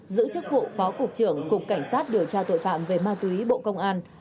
giữ chức vụ phó cục trưởng cục cảnh sát điều tra tội phạm về ma túy bộ công an